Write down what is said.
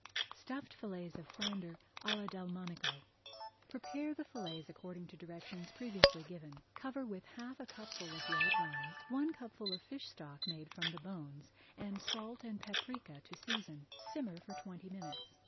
STUFFED FILLETS OF FLOUNDER À LA DELMONICO Prepare the fillets according to directions previously given. Cover with half a cupful of white wine, one cupful of fish stock made from the bones, and salt and paprika to season. Simmer for twenty minutes.